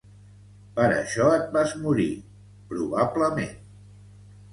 Per això et vas morir, probablement.